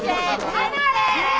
離れ！